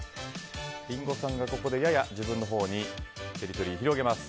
リンゴさんがここでやや自分のほうにテリトリーを広げます。